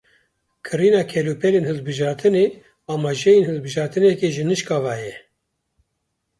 Kirîna kelûpelên hilbijartinê amajeyên hilbijartineke ji nişka ve ye.